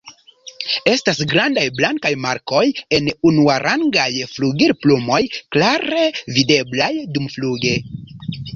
Estas grandaj blankaj markoj en unuarangaj flugilplumoj, klare videblaj dumfluge.